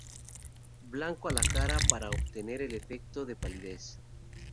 Blanco a la cara para obtener el efecto de palidez.